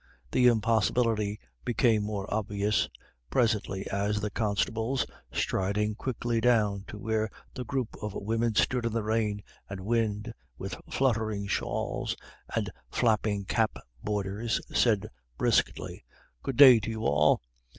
The impossibility became more obvious presently as the constables, striding quickly down to where the group of women stood in the rain and wind with fluttering shawls and flapping cap borders, said briskly, "Good day to you all.